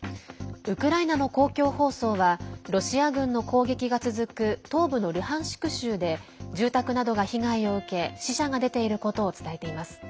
ウクライナの公共放送はロシア軍の攻撃が続く東部のルハンシク州で住宅などが被害を受け死者が出ていることを伝えています。